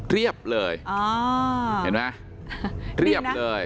เรียบเลยอ๋อเห็นไหมเรียบเลย